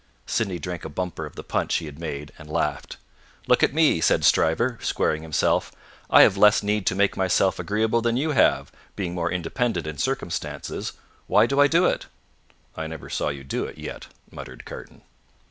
Sydney drank a bumper of the punch he had made, and laughed. "Look at me!" said Stryver, squaring himself; "I have less need to make myself agreeable than you have, being more independent in circumstances. Why do I do it?" "I never saw you do it yet," muttered Carton.